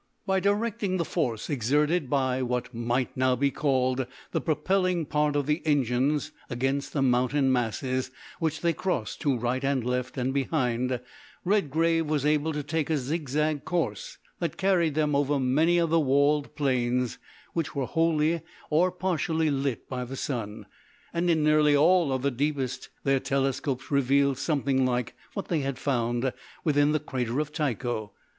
By directing the force exerted by what might now be called the propelling part of the engines against the mountain masses which they crossed to right and left and behind, Redgrave was able to take a zigzag course that carried them over many of the walled plains which were wholly or partially lit up by the sun, and in nearly all of the deepest their telescopes revealed something like what they had found within the crater of Tycho.